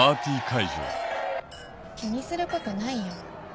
気にすることないよ。